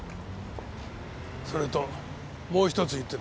それともう一つ言ってたろ？